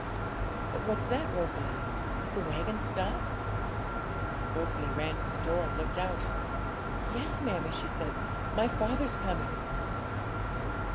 But what's that, Rosalie? did the waggons stop?' Rosalie ran to the door and looked out. 'Yes, mammie,' she said; 'my father's coming.'